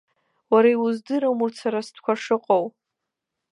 Уара иуздырам урҭ сара стәқәа шыҟоу!